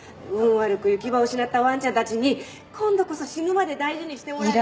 悪く行き場を失ったわんちゃんたちに今度こそ死ぬまで大事にしてもらえる。